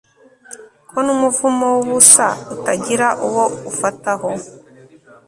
ko n umuvumo w ubusa utagira uwo ufataho